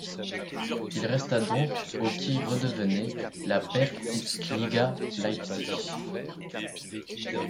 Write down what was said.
Il resta donc au qui redevenait la Bezirksliga Leizpig.